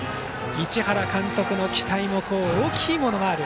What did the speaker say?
市原監督の期待も大きいものがある。